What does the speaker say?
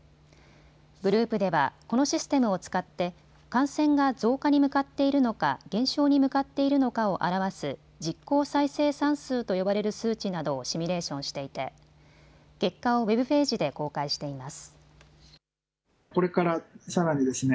グループではこのシステムを使って感染が増加に向かっているのか、減少に向かっているのかを表す実効再生産数と呼ばれる数値などをシミュレーションしていて結果をウェブページで公開しています。